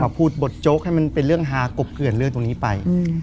พูดบทโจ๊กให้มันเป็นเรื่องฮากบเกลื่อนเรื่องตรงนี้ไป